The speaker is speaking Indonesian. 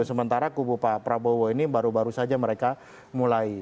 sementara kubu pak prabowo ini baru baru saja mereka mulai